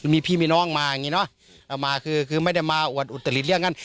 มีพี่มีน้องมาอย่างนี้เนอะเอามาคือคือไม่ได้มาอวดอุตลิดเรื่องกัน